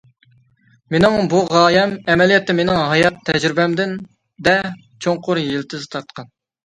مېنىڭ بۇ غايەم ئەمەلىيەتتە مېنىڭ ھايات تەجرىبەمدە چوڭقۇر يىلتىز تارتقان.